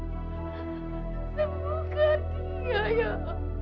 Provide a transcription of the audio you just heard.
sembuhkan ya allah